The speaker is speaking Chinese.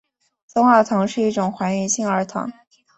松二糖是一种还原性二糖。